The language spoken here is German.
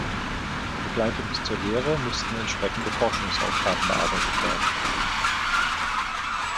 Begleitend zur Lehre mussten entsprechende Forschungsaufgaben bearbeitet werden.